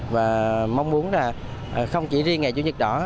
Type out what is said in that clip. và mong muốn là không chỉ riêng ngày chủ nhật đỏ